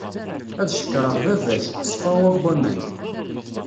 Ad cekkreɣ baba-s, ṣfawa n waman.